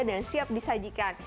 dan siap disajikan